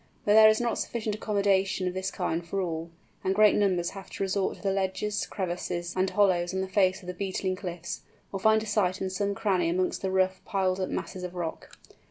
But there is not sufficient accommodation of this kind for all, and great numbers have to resort to the ledges, crevices, and hollows on the face of the beetling cliffs, or find a site in some cranny amongst the rough piled up masses of rock.